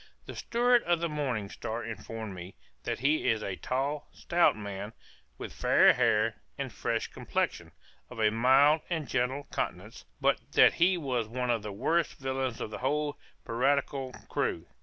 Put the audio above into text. The steward of the Morning Star informed me, that he is a tall, stout man, with fair hair, and fresh complexion, of a mild and gentle countenance, but that he was one of the worst villains of the whole piratical crew.